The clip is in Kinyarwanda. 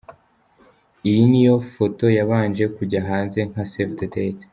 Iyi ni yo foto yabanje kujya hanze nka 'Save the date'.